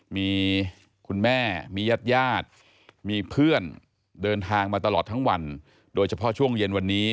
มีคุณแม่มีญาติญาติมีเพื่อนเดินทางมาตลอดทั้งวันโดยเฉพาะช่วงเย็นวันนี้